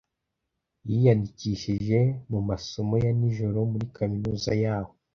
yiyandikishije mu masomo ya nijoro muri kaminuza yaho.